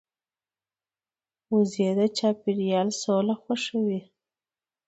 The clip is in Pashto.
وزې د چاپېریال سوله خوښوي